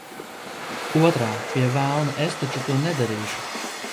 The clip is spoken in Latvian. Otrā – pie velna, es taču to nedarīšu!